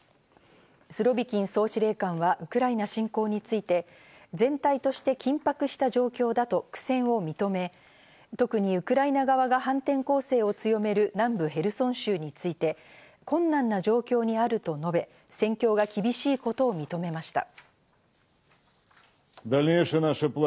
スロビキン総司令官はウクライナ侵攻について全体として緊迫した状況だと苦戦を認め、特にウクライナ側が反転攻勢を強める南部ヘルソン州について、困難な状況にあると述べ、戦況が厳しいことを認めました。